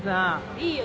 いいよ。